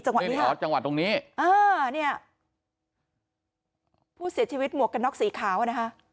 อ๋อจังหวัดตรงนี้อ่าเนี่ยผู้เสียชีวิตหมวกกันน็อกสีขาวอ่ะนะคะ